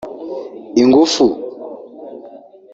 ingufu